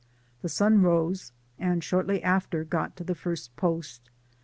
— The sun rose, and shortly after got to the first post.